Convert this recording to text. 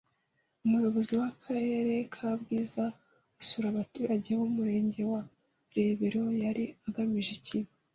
Umuyobozi w’ Akarere ka Bwiza asura abaturage b’Umurenge wa Rebero yari agamije iki?